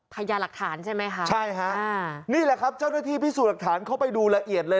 พยายามหลักฐานใช่ไหมคะใช่ฮะอ่านี่แหละครับเจ้าหน้าที่พิสูจน์หลักฐานเข้าไปดูละเอียดเลย